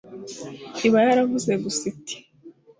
iba yaravuze gusa iti